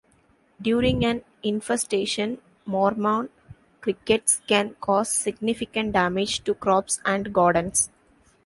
During an infestation Mormon crickets can cause significant damage to crops and gardens.